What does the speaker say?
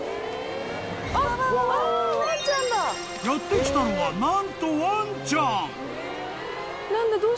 ［やって来たのは何とワンちゃん］